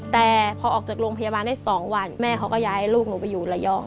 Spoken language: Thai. แต่พอออกจากโรงพยาบาลได้๒วันแม่เขาก็ย้ายลูกหนูไปอยู่ระยอง